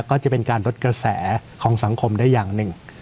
ก็จะเป็นการลดกระแสของสังคมได้อย่างหนึ่ง